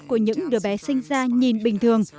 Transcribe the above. của những đứa bé sinh ra nhìn bình thường